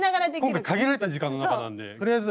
今回限られた時間の中なんでとりあえず。